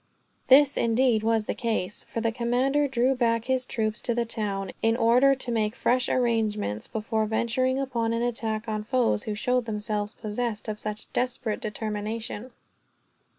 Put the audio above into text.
This, indeed, was the case; for the commander drew back his troops to the town, in order to make fresh arrangements, before venturing upon an attack on foes who showed themselves possessed of such desperate determination.